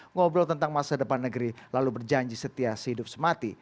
ngobrol tentang masa depan negeri lalu berjanji setia sehidup semati